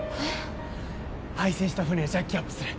廃船した船をジャッキアップする。